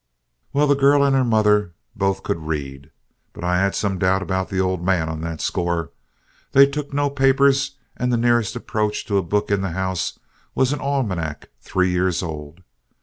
"Well, the girl and her mother both could read, but I have some doubt about the old man on that score. They took no papers, and the nearest approach to a book in the house was an almanac three years old.